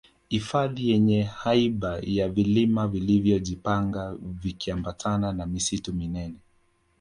hifadhi yenye haiba ya vilima vilivyo jipanga vikiambatana na misitu minene